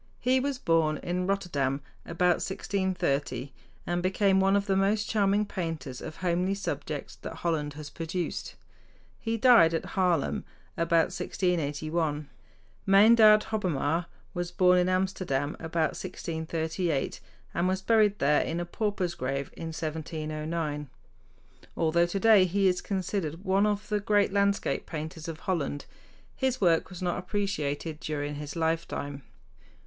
He was born in Rotterdam about 1630, and became one of the most charming painters of homely subjects that Holland has produced. He died at Haarlem about 1681. Meyndert Hobbema was born in Amsterdam about 1638, and was buried there in a pauper's grave in 1709. Although today he is considered one of the great landscape painters of Holland, his work was not appreciated during his lifetime.